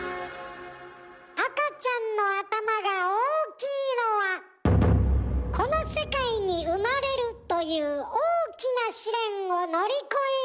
赤ちゃんの頭が大きいのはこの世界に生まれるという大きな試練を乗り越えるため。